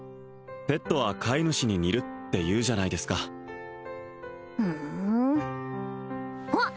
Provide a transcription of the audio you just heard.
ペットは飼い主に似るって言うじゃないですかふんあっ